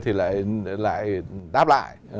thì lại đáp lại